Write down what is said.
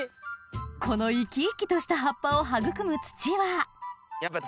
この生き生きとした葉っぱを育む土はやっぱり。